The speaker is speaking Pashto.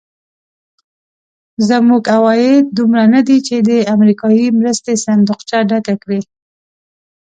زموږ عواید دومره ندي چې د امریکایي مرستې صندوقچه ډکه کړي.